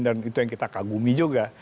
dan itu yang kita kagumi juga